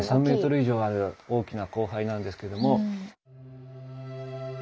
３ｍ以上ある大きな光背なんですけども。